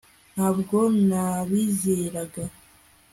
ntabwo nabizeraga